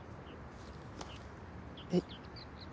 えっ？